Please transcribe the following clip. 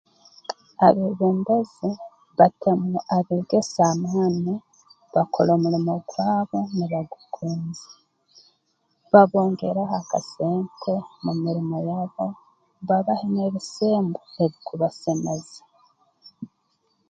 Abeebembezi batemu abeegesa amaani bakole omulimo gwabo nibagugonza babongereho akasente mu mirimo yabo babahe n'ebisembo ebikubasemeza